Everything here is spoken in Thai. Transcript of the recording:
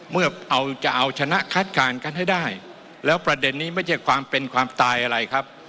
เมื่อเอาจะเอาชนะคัดการกันให้ได้แล้วประเด็นนี้ไม่ใช่ความเป็นความตายอะไรครับ